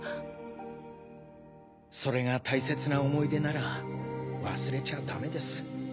それが大切な思い出なら忘れちゃダメです。